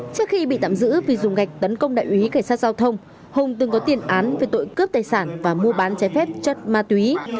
trước khi bị tạm giữ vì dùng gạch tấn công đại úy cảnh sát giao thông hùng từng có tiền án về tội cướp tài sản và mua bán trái phép chất ma túy